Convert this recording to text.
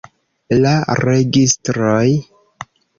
La registroj!